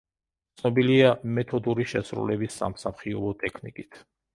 ცნობილია მეთოდური შესრულების სამსახიობო ტექნიკით.